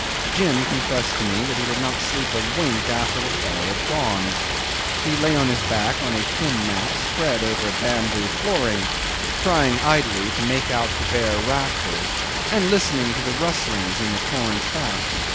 Jim confessed to me that he did not sleep a wink after the fellow had gone. He lay on his back on a thin mat spread over the bamboo flooring, trying idly to make out the bare rafters, and listening to the rustlings in the torn thatch.